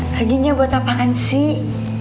laginya buat apaan sih